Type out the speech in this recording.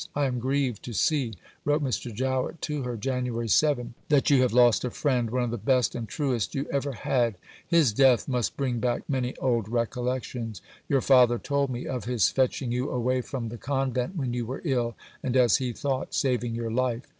"I am grieved to see," wrote Mr. Jowett to her (Jan. 7), "that you have lost a friend, one of the best and truest you ever had. His death must bring back many old recollections. Your father told me of his fetching you away from the Convent when you were ill, and, as he thought, saving your life."